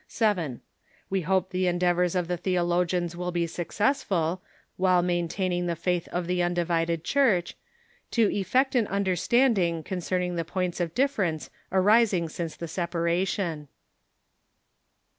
T. We hope the endeavors of the theologians will be successful, while maintaining the faith of the undivided Church, to effect an understanding concerning the points of difference arising since the separation.